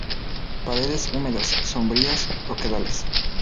Paredes húmedas, sombrías, roquedales.